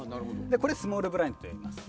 これをスモールブラインドといいます。